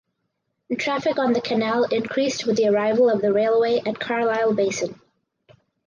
Traffic on the canal increased with the arrival of the railway at Carlisle basin.